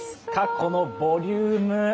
このボリューム。